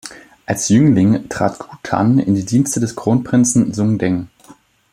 Als Jüngling trat Gu Tan in die Dienste des Kronprinzen Sun Deng.